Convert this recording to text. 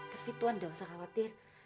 tapi tuhan gak usah khawatir